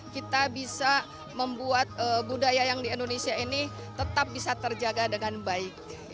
kita bisa membuat budaya yang di indonesia ini tetap bisa terjaga dengan baik